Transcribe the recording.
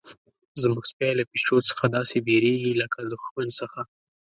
زموږ سپی له پیشو څخه داسې بیریږي لکه له دښمن څخه.